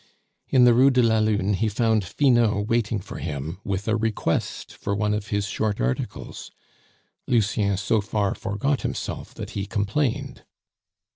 In the Rue de la Lune he found Finot waiting for him with a request for one of his short articles. Lucien so far forgot himself, that he complained.